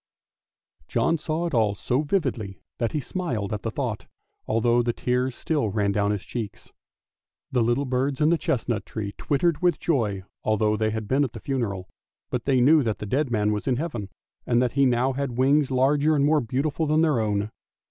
" John saw it all so vividly that he smiled at the thought, although the tears still ran down his cheeks. The little birds in the chestnut tree twittered with joy although they had been at the funeral, but they knew that the dead man was in Heaven, and that he now had wings larger and more beautiful than their own.